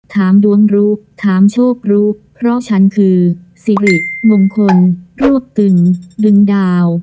ถามดวงรู้ถามโชครู้เพราะฉันคือสิริมงคลรวบตึงดึงดาว